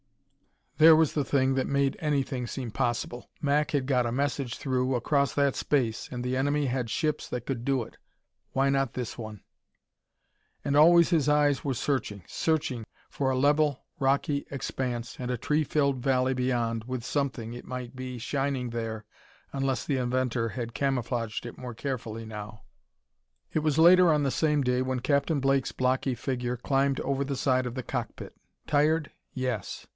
There was the thing that made anything seem possible. Mac had got a message through, across that space, and the enemy had ships that could do it. Why not this one? And always his eyes were searching, searching, for a level rocky expanse and a tree filled valley beyond, with something, it might be, shining there, unless the inventor had camouflaged it more carefully now. It was later on the same day when Captain Blake's blocky figure climbed over the side of the cockpit. Tired? Yes!